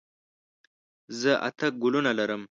زه اته ګلونه لرم.